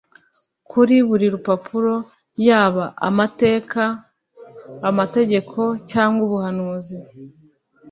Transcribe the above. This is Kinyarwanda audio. Kuri buri rupapuro, yaba amateka, amategeko cyangwa ubuhanuzi,